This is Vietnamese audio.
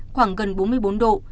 khoảng gần bốn mươi bốn độ